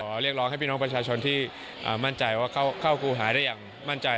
เรียกร้องให้พี่น้องประชาชนที่มั่นใจว่าเข้าครูหาได้อย่างมั่นใจ